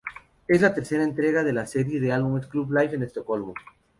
Es la tercera entrega de la serie de álbumes "Club Life" en Estocolmo.